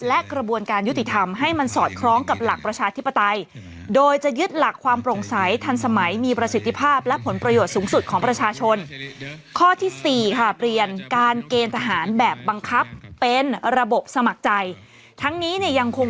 และกระบวนการยุติธรรมให้มันสอดคล้องกับหลักประชาธิปไตย